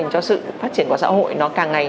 cho sự phát triển của xã hội nó càng ngày